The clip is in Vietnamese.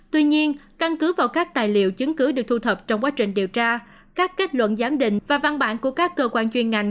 tuy nhiên căn cứ vào các tài liệu chứng cứ được thu thập trong quá trình điều tra các kết luận giám định và văn bản của các cơ quan chuyên ngành